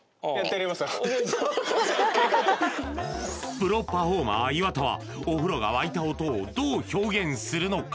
プロパフォーマー、岩田はお風呂が沸いた音をどう表現するのか。